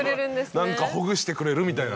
何かほぐしてくれるみたいな。